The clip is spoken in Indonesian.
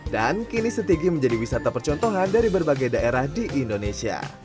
dan kini setigi menjadi wisata percontohan dari berbagai daerah di indonesia